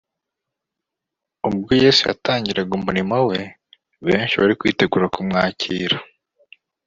ubwo Yesu yatangiraga umurimo We, benshi bari kwitegura kumwakira